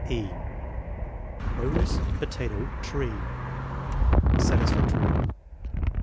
(e) Rose, potato, tree Satisfactory.